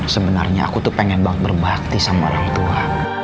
sebenarnya aku tuh pengen banget berbakti sama orang tua